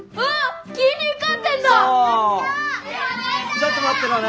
ちょっと待ってろな。